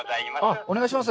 お願いします。